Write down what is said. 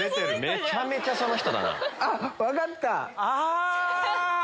めちゃめちゃその人だな。分かった！